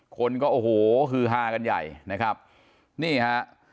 คนก็โอ้โหฮือฮากันใหญ่นะครับนี่ฮะ